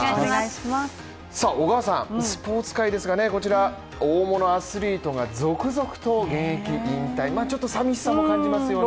小川さん、スポ−ツ界ですが、大物アスリートが続々と現役引退、さみしさも感じますよね。